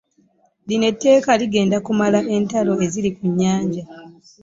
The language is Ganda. Lino etteeka ligenda kumalawo entalo eziri ku nnyanja.